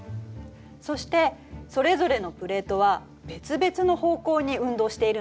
そしてそれぞれのプレートは別々の方向に運動しているのよ。